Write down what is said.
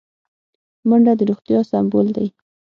منډه د روغتیا سمبول دی